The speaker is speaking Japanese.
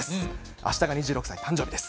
あしたが２６歳、誕生日です。